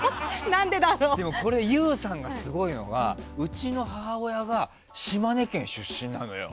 でもこれＹＯＵさんがすごいのがうちの母親が島根県出身なのよ。